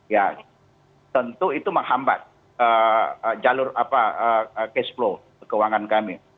ya tentu itu menghambat jalur cash flow keuangan kami